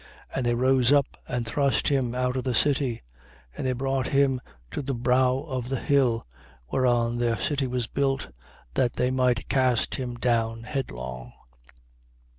4:29. And they rose up and thrust him out of the city: and they brought him to the brow of the hill whereon their city was built, that they might cast him down headlong.